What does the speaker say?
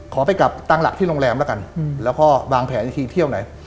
ไปกลับตั้งหลักที่โรงแรมแล้วกันแล้วก็วางแผนอีกทีเที่ยวไหน